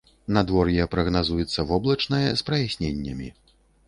Надвор'е прагназуецца воблачнае з праясненнямі.